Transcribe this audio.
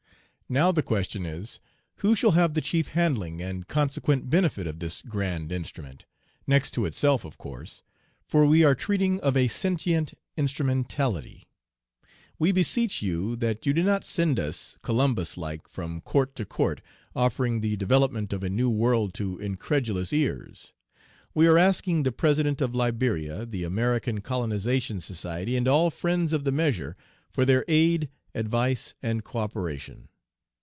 Now the question is, who shall have the chief handling and consequent benefit of this grand instrument, next to itself, of course, for we are treating of a sentient instrumentality. We beseech you that you do not send us, Columbus like, from court to court offering the development of a new world to incredulous ears. We are asking the President of Liberia, the American Colonization Society, and all friends of the measure, for their aid, advice, and co operation.